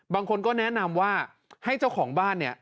บางคนก็แนะนำว่าให้เจ้าของบ้านเนี่ย